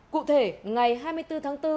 cụ thể ngày hai mươi bốn tháng bốn